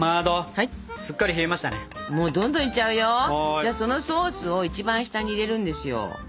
じゃそのソースを一番下に入れるんですよ。